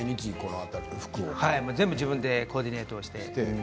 全部自分でコーディネートしています。